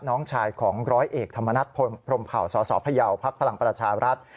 น้องชายของ๑๐๐เอกธรรมนัฐพรมเผ่าสศพะเยาพพประชารัฐ